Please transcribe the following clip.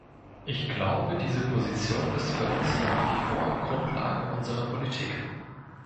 Ich glaube, diese Position ist für uns nach wie vor Grundlage unserer Politik.